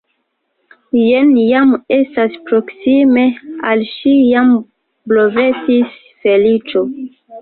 Jen jam estas proksime, al ŝi jam blovetis feliĉo.